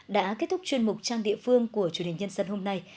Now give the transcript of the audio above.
đã kết thúc chuyên mục trang địa phương của truyền hình nhân dân hôm nay